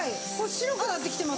白くなってきてますよね？